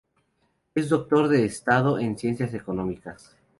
Es doctor de Estado en Ciencias Económicas.